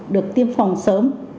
được tiêm phòng sớm